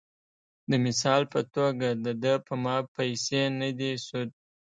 د مثال پۀ توګه د دۀ پۀ ما پېسې نۀ دي سود ،